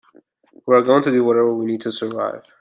We are going to do whatever we need to do to survive.